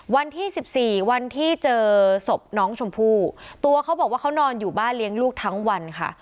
วันที่สิบสี่วันที่เจอศพน้องชมพู่ตัวเขาบอกว่าเขานอนอยู่บ้านเลี้ยงลูกทั้งวันค่ะ